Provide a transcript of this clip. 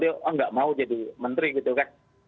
oh nggak mau jadi menteri gitu kan